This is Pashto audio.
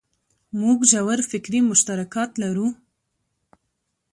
موږ ژور فکري مشترکات لرو.